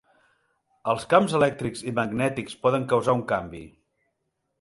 Els camps elèctrics i magnètics poden causar un canvi.